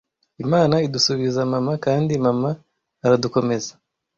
imana idusubiza mama kandi mama aradukomeza